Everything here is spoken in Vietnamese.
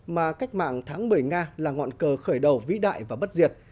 mà cách mạng tháng một mươi nga là ngọn cờ khởi đầu vĩ đại và bất diệt